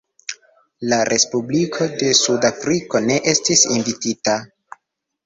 La Respubliko de Sudafriko ne estis invitita.